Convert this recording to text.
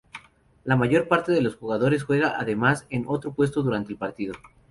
La mayor parte de los jugadores juegan además en otro puesto durante el partido.